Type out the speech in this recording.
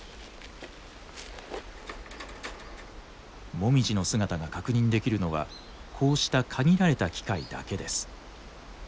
もみじの姿が確認できるのはこうした限られた機会だけです。